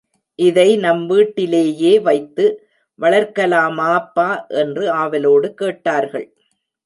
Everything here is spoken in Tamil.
இதை நம் வீட்டிலேயே வைத்து வளர்க்கலாமாப்பா! என்று ஆவலோடு கேட்டார்கள்.